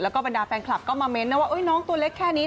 แล้วก็บรรดาแฟนคลับก็มาเน้นนะว่าน้องตัวเล็กแค่นี้